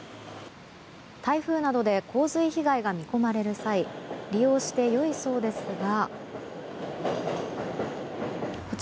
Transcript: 台風などで洪水被害が見込まれる際利用してよいそうですが。